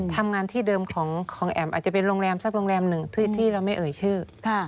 ทำงานที่เดิมของแอ๋มอาจจะเป็นโรงแรมสักโรงแรมหนึ่งที่เราไม่เอ่ยชื่อ